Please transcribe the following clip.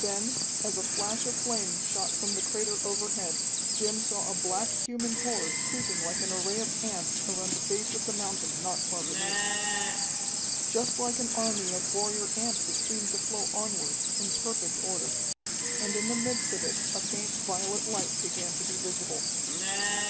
Then, as a flash of flame shot from the crater overhead, Jim saw a black human horde creeping like an array of ants around the base of the mountain not far beneath. Just like an army of warrior ants it seemed to flow onward, in perfect order. And in the midst of it a faint violet light began to be visible.